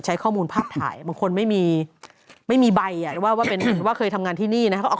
ใช้ข้อมูลภาพถ่ายบางคนไม่มีใบว่าเคยทำงานที่นี่นะครับ